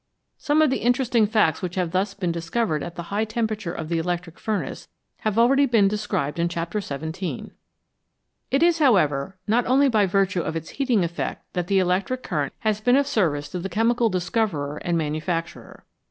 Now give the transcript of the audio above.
Some of the interesting facts which have thus been discovered at the high temperature of the electric furnace have already been described in chapter xvii. It is, however, not only by virtue of its heating effect that the * electric current has been of service to the 296 CHEMISTRY AND ELECTRICITY chemical discoverer and manufacturer.